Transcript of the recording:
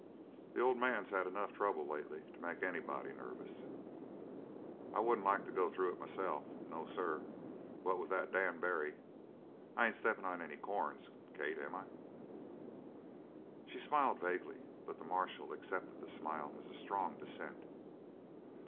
The old man's had enough trouble lately to make anybody nervous. I wouldn't like to go through it myself. No, sir! What with that Dan Barry I ain't steppin' on any corns, Kate, am I?" She smiled vaguely, but the marshal accepted the smile as a strong dissent.